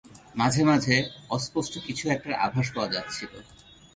মাঝে মাঝে, অস্পষ্ট কিছু একটার আভাস পাওয়া যাচ্ছিলো।